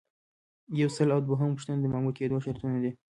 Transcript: یو سل او دوهمه پوښتنه د مامور کیدو شرطونه دي.